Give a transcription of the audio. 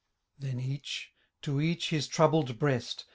l45 fhen each, to each his troubled breast.